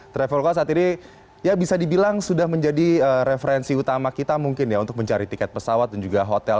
traveloka saat ini ya bisa dibilang sudah menjadi referensi utama kita mungkin ya untuk mencari tiket pesawat dan juga hotel